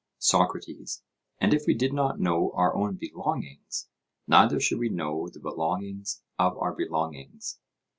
SOCRATES: And if we did not know our own belongings, neither should we know the belongings of our belongings?